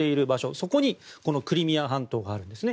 そこにクリミア半島があるんですね。